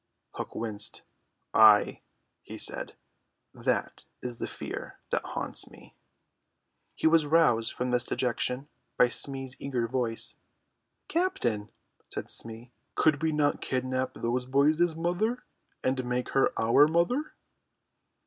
Hook winced. "Ay," he said, "that is the fear that haunts me." He was roused from this dejection by Smee's eager voice. "Captain," said Smee, "could we not kidnap these boys' mother and make her our mother?"